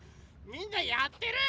みんなやってる？